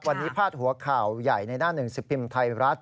วันนี้พาดหัวข่าวใหญ่ในหน้าหนึ่งสิบพิมพ์ไทยรัฐ